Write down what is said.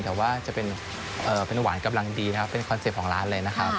แต่ว่าจะเป็นหวานกำลังดีนะครับเป็นคอนเซ็ปต์ของร้านเลยนะครับ